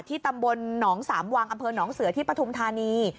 ตำบลหนองสามวังอำเภอหนองเสือที่ปฐุมธานี